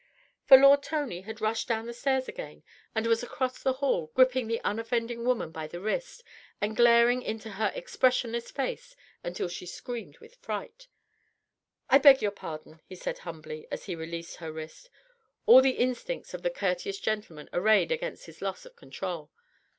For Lord Tony had rushed down the stairs again and was across the hall, gripping the unoffending woman by the wrist and glaring into her expressionless face until she screamed with fright. "I beg your pardon," he said humbly as he released her wrist: all the instincts of the courteous gentleman arrayed against his loss of control.